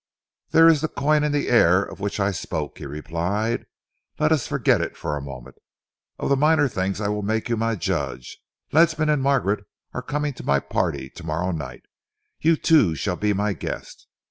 "There is the coin in the air of which I spoke," he replied. "Let us forget it for a moment. Of the minor things I will make you my judge. Ledsam and Margaret are coming to my party to morrow night. You, too, shall be my guest.